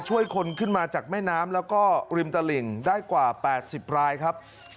ช่วยคนขึ้นมาจากแม่น้ำแล้วก็ริมตลิ่งได้กว่า๘๐รายครับ